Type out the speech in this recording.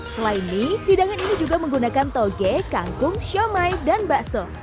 selain mie hidangan ini juga menggunakan toge kangkung siomay dan bakso